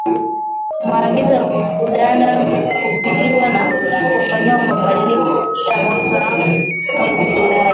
Maagizo ya Kandanda hupitiwa na kufanyiwa mabadiliko kila mwaka Mwezi Julai